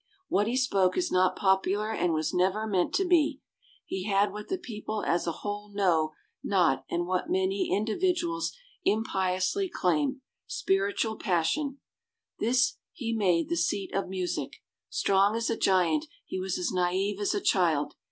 What he spoke is not popular and was never meant to be. He had what the people as a whole know not and what many in dividuals impiously claim : spiritual passion. This he made the seat of music. Strong as a giant, he was as naive as a child.